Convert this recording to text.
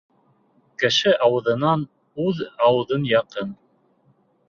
Кеше ауыҙынан үҙ ауыҙың яҡын.